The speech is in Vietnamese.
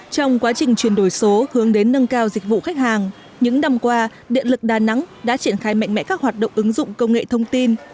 trong quá trình chuyển đổi số hướng đến nâng cao dịch vụ khách hàng những năm qua điện lực đà nẵng đã triển khai mạnh mẽ các hoạt động ứng dụng công nghệ thông tin